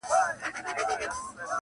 کله سوړ نسیم چلیږي کله ټاکنده غرمه سي-